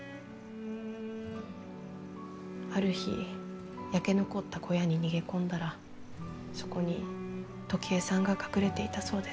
ある日焼け残った小屋に逃げ込んだらそこに時恵さんが隠れていたそうです。